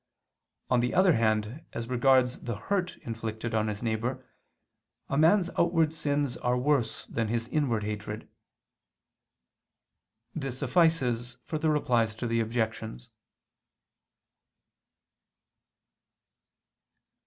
On the other hand, as regards the hurt inflicted on his neighbor, a man's outward sins are worse than his inward hatred. This suffices for the Replies to the Objections.